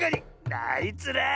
あいつら。